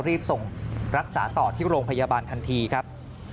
รีบส่งรักษาต่อที่โรงพยาบาลทันทีครับ